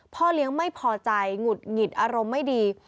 พ่อเลี้ยงไม่พอใจหงุดหงิดอารมณ์ไม่ดี